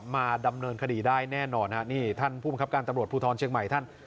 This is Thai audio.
มาดำเนินคดีได้แน่นอนฮะนี่ท่านผู้บังคับการตำรวจภูทรเชียงใหม่ท่าน